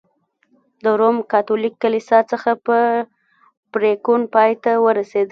د روم کاتولیک کلیسا څخه په پرېکون پای ته ورسېد.